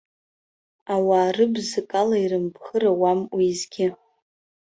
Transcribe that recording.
Ауаа рыбз акала ирымбӷыр ауам уеизгьы.